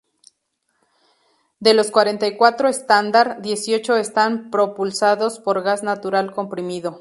De los cuarenta y cuatro estándar, dieciocho están propulsados por gas natural comprimido.